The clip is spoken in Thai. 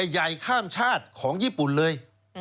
ใหญ่ข้ามชาติของญี่ปุ่นเลย